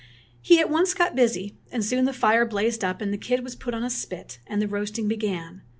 He at once got busy, and soon the fire blazed up, and the kid was put on a spit, and the roasting began.